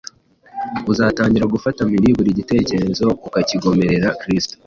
uzatangira gufata mpiri buri gitekerezo ukakigomorera Kristo